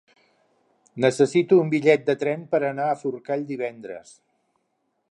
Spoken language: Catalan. Necessito un bitllet de tren per anar a Forcall divendres.